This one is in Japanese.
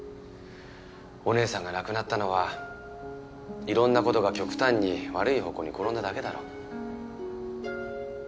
お姉さんが亡くなったのはいろんなことが極端に悪い方向に転んだだけだろ。